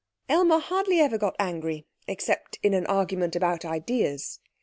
Aylmer hardly ever got angry except in an argument about ideas.